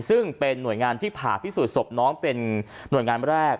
ซึ่งเป็นหน่วยงานที่ผ่าพิสูจนศพน้องเป็นหน่วยงานแรก